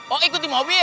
oh ikut di mobil